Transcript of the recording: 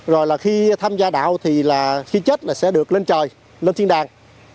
rồi là khi tham gia đạo thì là khi chết là sẽ được lên trời lên thiên đàn